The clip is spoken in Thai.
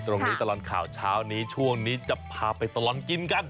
ตรงนี้ตลังข่าวเช้านี้ช่วงนี้จะพาไปตลอนกินกัน